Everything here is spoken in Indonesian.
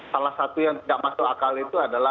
salah satu yang tidak masuk akal itu adalah